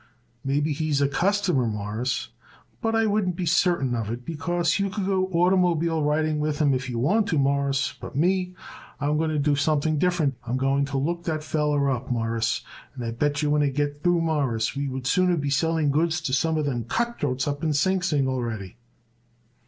"Maybe he's a customer, Mawruss, but I wouldn't be certain of it because you could go oitermobile riding with him if you want to, Mawruss, but me, I am going to do something different. I am going to look that feller up, Mawruss, and I bet yer when I get through, Mawruss, we would sooner be selling goods to some of them cut throats up in Sing Sing already."